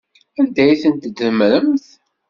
Anda ay tent-tdemmremt?